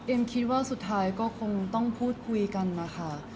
คิดว่าสุดท้ายก็คงต้องพูดคุยกันนะคะ